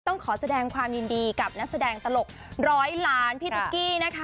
ต้องขอแสดงความยินดีกับนักแสดงตลกร้อยล้านพี่ตุ๊กกี้นะคะ